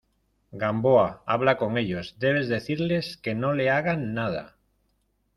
Gamboa, habla con ellos. debes decirles que no le hagan nada .